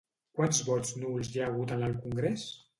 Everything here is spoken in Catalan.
Quants vots nuls hi ha hagut en el congrés?